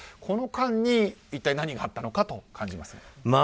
この間に一体何があったのかと感じます。